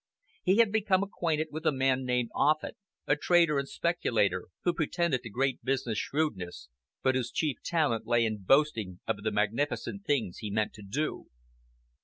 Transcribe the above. He had become acquainted with a man named Offut, a trader and speculator, who pretended to great business shrewdness, but whose chief talent lay in boasting of the magnificent things he meant to do.